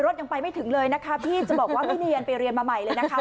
ยังไปไม่ถึงเลยนะคะพี่จะบอกว่าพี่เนียนไปเรียนมาใหม่เลยนะคะ